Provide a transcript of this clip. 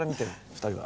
２人は？